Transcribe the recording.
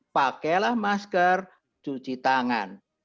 pakailah masker cuci tangan